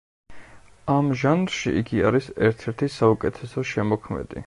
ამ ჟანრში იგი არის ერთ-ერთი საუკეთესო შემოქმედი.